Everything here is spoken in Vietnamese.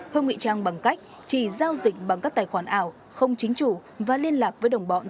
hương nghị trang bằng cách chỉ giao dịch bằng các tài khoản ảo không chính chủ và liên lạc với đồng bọn